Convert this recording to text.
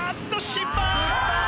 失敗！